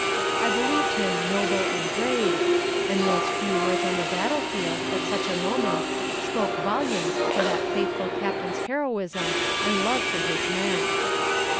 I believed him noble and brave, and those few words on the battle field at such a moment spoke volumes for that faithful captain's heroism and love for his men.